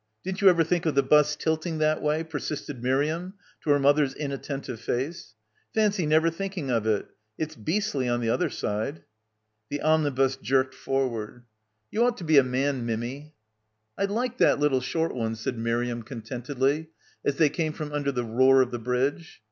Didn't you ever think of the bus tilting that way?" per sisted Miriam to her mother's inattentive face. "Fancy never thinking of it. It's beastly on the other side." The omnibus jerked forward. "You ought to be a man, Mimmy." "I liked that little short one," said Miriam contentedly as they came from under the roar of the bridge.